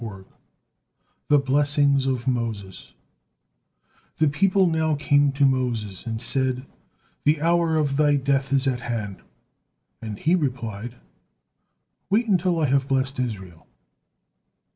THE BLESSING OF MOSES The people now came to Moses and said, "The hour of thy death is at hand," and he replied: "Wait until I have blessed Israel.